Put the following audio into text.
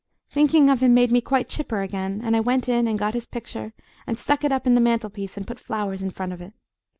Thinking of him made me quite chipper again, and I went in and got his picture and stuck it up in the mantel piece and put flowers in front of it.